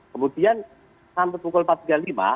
kemudian sampai pukul empat tiga puluh lima